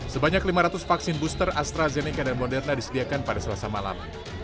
sebanyak lima ratus vaksin booster astrazeneca dan moderna disediakan pada selasa malam